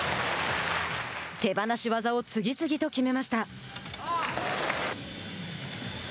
手放し技を次々と決めました。